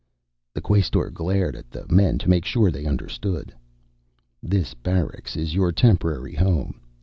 The Quaestor glared at the men to make sure they understood. "This barracks is your temporary home.